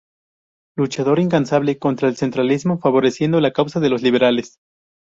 Luchador incansable contra del centralismo, favoreciendo la causa de los liberales.